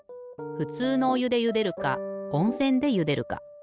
ふつうのおゆでゆでるかおんせんでゆでるか。